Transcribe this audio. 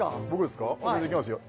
できますよ